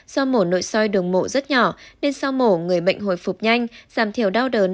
do mổ nội soi đường mộ rất nhỏ nên sau mổ người bệnh hồi phục nhanh giảm thiểu đau đớn